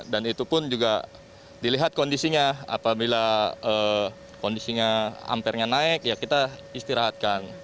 dan itu pun juga dilihat kondisinya apabila kondisinya ampernya naik ya kita istirahatkan